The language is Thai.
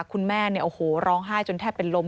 คุณแม่เนี่ยโอ้โหร้องไห้จนแทบเป็นลม